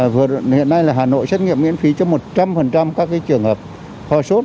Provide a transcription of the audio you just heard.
hiện nay là hà nội xét nghiệm miễn phí cho một trăm linh các cái trường hợp hoa sốt